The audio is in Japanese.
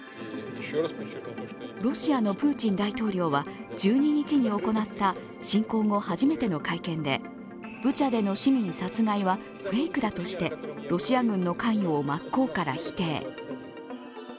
ロシアのプーチン大統領は、１２日に行った侵攻後初めての会見で、ブチャでの市民殺害はフェイクだとしてロシア軍の関与を真っ向から否定。